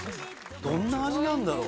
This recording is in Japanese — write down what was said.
どんな味なんだろう？